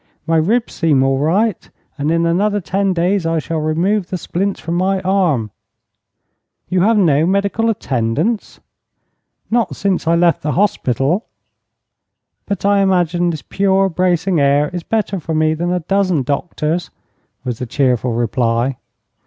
My ribs seem all right, and in another ten days I shall remove the splints from my arm." "You have no medical attendance?" "Not since I left the hospital. But I imagine this pure, bracing air is better for me than a dozen doctors," was the cheerful reply.